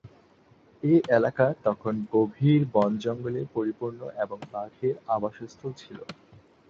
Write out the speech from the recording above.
এ এলাকা তখন গভীর বন-জঙ্গলে পরিপূর্ণ এবং বাঘের আবাসস্থল ছিল।